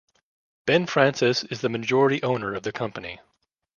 Ben Francis is the majority owner of the company.